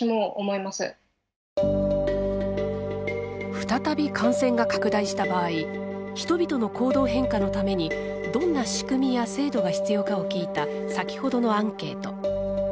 再び感染が拡大した場合人々の行動変化のためにどんな仕組みや制度が必要かを聞いた先ほどのアンケート。